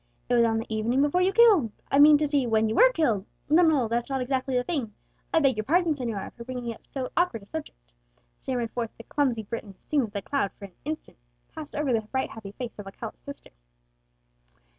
"It was on the evening before you killed I mean to say, when you were killed no, that's not exactly the thing I beg your pardon, señor, for bringing up so awkward a subject," stammered forth the clumsy Briton, seeing the cloud that for an instant passed over the bright happy face of Alcala's sister.